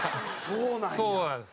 そうなんや。